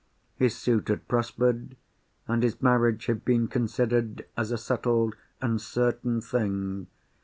His suit had prospered, and his marriage had been considered as a settled and certain thing.